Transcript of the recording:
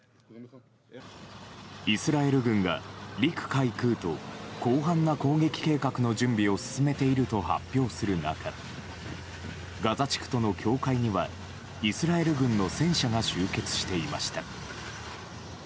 イスラエル軍が陸海空と広範な攻撃計画の準備を進めていると発表する中ガザ地区との境界にはイスラエル軍の戦車が集結していました。